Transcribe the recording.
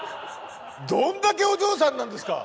どんだけお嬢さんなんですか？